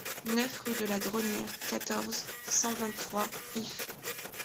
neuf rue de la Dronnière, quatorze, cent vingt-trois, Ifs